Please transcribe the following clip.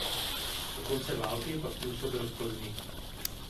Do konce války pak působil v Plzni.